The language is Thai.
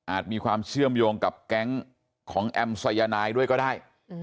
มีความเชื่อมโยงกับแก๊งของแอมสายนายด้วยก็ได้